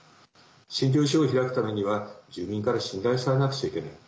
診療所を開くためには、住民から信頼されなくちゃいけない。